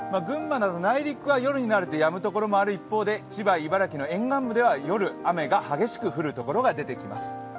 群馬など内陸は夜になるとやむところもある一方で、千葉、茨城の沿岸部では夜、雨が激しく降るところが出てきます。